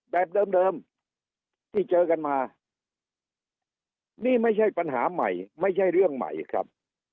แบบเดิมที่เจอกันมานี่ไม่ใช่ปัญหาใหม่ไม่ใช่เรื่องใหม่ครับ